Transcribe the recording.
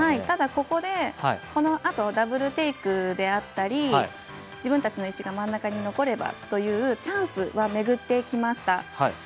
ただここでこのあとダブルテイクであったり自分たちの石が真ん中に残ればというチャンスは巡ってきました。